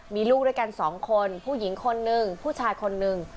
มีลูกด้วยกันสองคนผู้หญิงคนนึงผู้ชายคนนึง